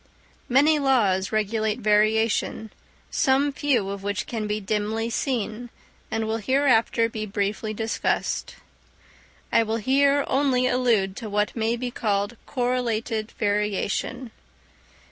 Many laws regulate variation, some few of which can be dimly seen, and will hereafter be briefly discussed. I will here only allude to what may be called correlated variation.